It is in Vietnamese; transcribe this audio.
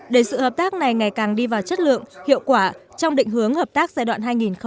để sự hợp tác này ngày càng đi vào chất lượng hiệu quả trong định hướng hợp tác giai đoạn hai nghìn một mươi bảy hai nghìn hai mươi